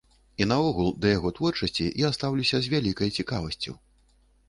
І наогул, да яго творчасці я стаўлюся з вялікай цікавасцю.